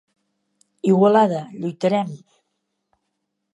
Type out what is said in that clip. Igualada, lluitarem!